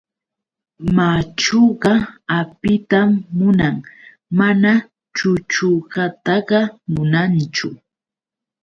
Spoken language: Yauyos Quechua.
Machuqa apitan munan mana chuchuqataqa munanchu.